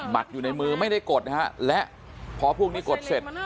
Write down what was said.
อยู่ในมือไม่ได้กดนะฮะและพอพวกนี้กดเสร็จ